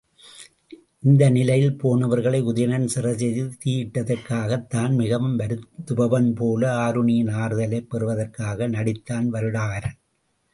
இந்த நிலையில், போனவர்களை உதணயன் சிறை செய்து தீயிட்டதற்காகத்தான் மிகவும் வருந்துபவன்போல ஆருணியின் ஆறுதலைப் பெறுவதற்காக நடித்தான் வருடகாரன்.